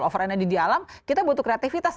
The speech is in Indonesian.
over energy di alam kita butuh kreativitas